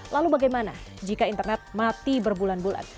lalu bagaimana jika internet mati berbulan bulan